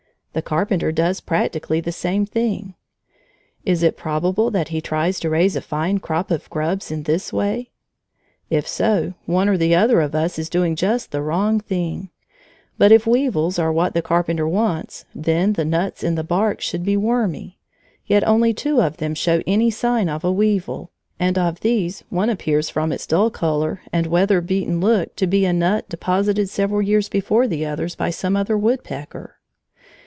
The Carpenter does practically the same thing. Is it probable that he tries to raise a fine crop of grubs in this way? If so, one or the other of us is doing just the wrong thing. But if weevils are what the Carpenter wants, then the nuts in the bark should be wormy; yet only two of them show any sign of a weevil, and of these one appears from its dull color and weather beaten look to be a nut deposited several years before the others by some other woodpecker.